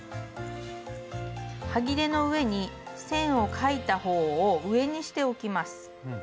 はぎれの上に線を描いた方を上にして置きます。